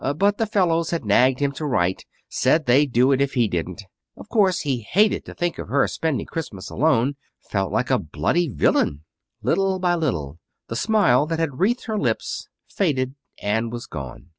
But the fellows had nagged him to write. Said they'd do it if he didn't. Of course he hated to think of her spending Christmas alone felt like a bloody villain Little by little the smile that had wreathed her lips faded and was gone.